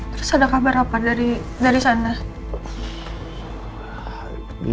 terus ada kabar apa dari sana